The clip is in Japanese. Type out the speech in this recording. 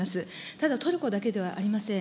ただ、トルコだけではありません。